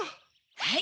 はい。